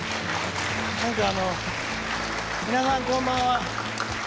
皆さん、こんばんは。